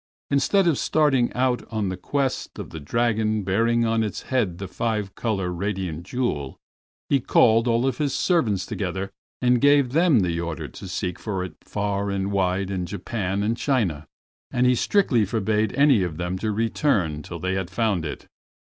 Instead of starting out on the quest of the dragon bearing on its head the five color radiating jewel, he called all his servants together and gave them the order to seek for it far and wide in Japan and in China, and he strictly forbade any of them to return till they had found it.